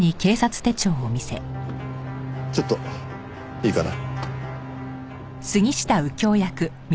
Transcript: ちょっといいかな？